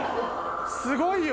すごいよ。